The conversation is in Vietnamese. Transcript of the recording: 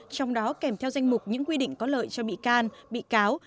trong đó kèm theo danh mục những quy định có lợi cho bị can bị cáo